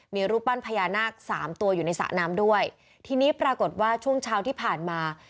มีรูปปั้นพญานาคสามตัวอยู่ในสระน้ำด้วยทีนี้ปรากฏว่าช่วงเช้าที่ผ่านมา